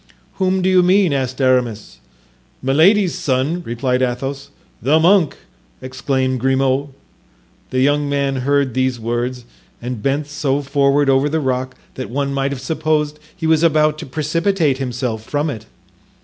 "Whom do you mean?" asked Aramis. "Milady's son," replied Athos. "The monk!" exclaimed Grimaud. The young man heard these words and bent so forward over the rock that one might have supposed he was about to precipitate himself from it.